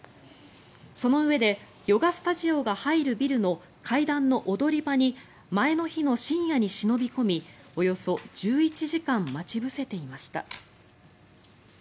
そのうえでヨガスタジオが入るビルの階段の踊り場に前の日の深夜に忍び込みおよそ１１時間待ち伏せていました。